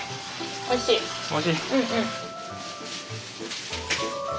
おいしい。